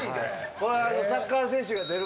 これはサッカー選手が出る。